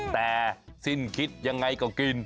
แต่สิ้นคิดยังไงก็กิน